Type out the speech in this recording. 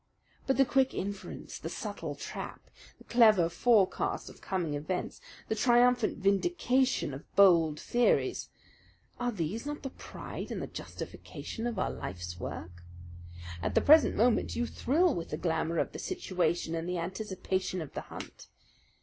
But the quick inference, the subtle trap, the clever forecast of coming events, the triumphant vindication of bold theories are these not the pride and the justification of our life's work? At the present moment you thrill with the glamour of the situation and the anticipation of the hunt.